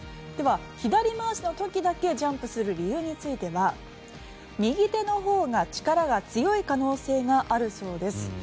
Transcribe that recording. では、左回しの時だけジャンプをする理由については右手のほうが力が強い可能性があるそうです。